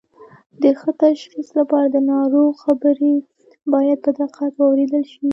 د ښه تشخیص لپاره د ناروغ خبرې باید په دقت واوریدل شي